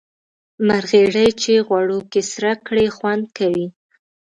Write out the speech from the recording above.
مرخیړي چی غوړو کی سره کړی خوند کوي